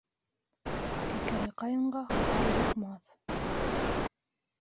Кәкере ҡайынға ҡар йоҡмаҫ.